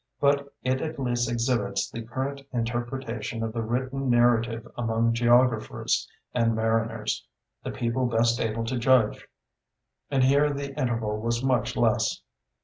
But it at least exhibits the current interpretation of the written narrative among geographers and mariners, the people best able to judge; and here the interval was much less.